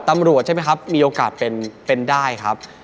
ตำรวจใช่ไหมครับมีโอกาสเป็นได้ครับ